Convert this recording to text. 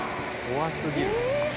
怖過ぎる」